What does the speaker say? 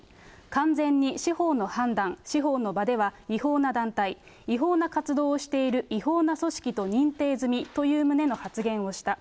完全に司法の判断、司法の場では、違法な団体、違法な活動をしている違法な組織と認定済みという旨の発言をした。